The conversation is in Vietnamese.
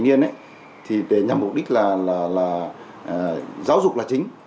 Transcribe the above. vì thành viên thì để nhằm mục đích là giáo dục là chính